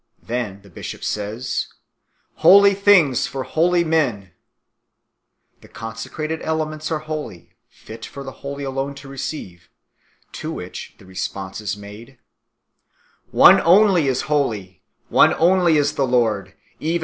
Then the bishop says, "Holy things for holy men " the consecrated elements are holy, fit for the holy alone to receive to which the response is made, "One only is holy, One only is the Lord, even Jesus 1 Gatecli.